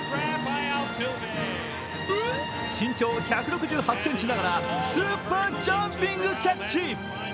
身長１６８ｃｍながらスーパージャンピングキャッチ。